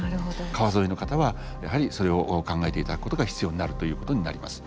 川沿いの方はやはりそれを考えていただくことが必要になるということになります。